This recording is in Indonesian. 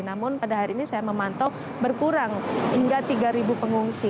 namun pada hari ini saya memantau berkurang hingga tiga pengungsi